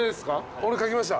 俺書きました。